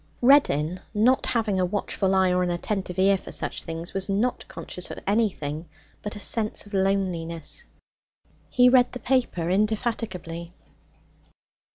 Reddin, not having a watchful eye or an attentive ear for such things, was not conscious of anything but a sense of loneliness. He read the paper indefatigably.